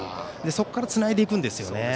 そこからつないでいくんですよね。